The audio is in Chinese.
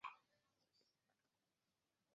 此举在美少女游戏界属首例。